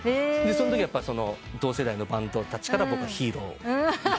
そんときは同世代のバンドたちから僕はヒーロー。